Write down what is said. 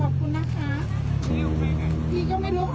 เอาไปรวมให้เขาสิคะ